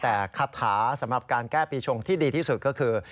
แต่คาถาสำหรับการแก้ปีชงที่ดีที่สุดก็คือ